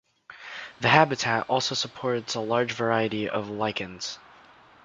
The habitat also supports a large variety of lichens.